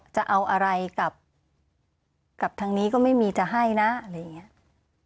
จะเอาอะไรกับทางนี้ก็ไม่มีจะให้นะอะไรอย่างนี้